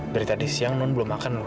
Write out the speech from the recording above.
dari tadi siang non belum makan loh